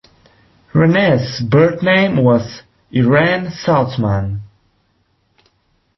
Rene's birth name was Irene Saltzman.